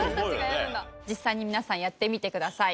実際に皆さんやってみてください。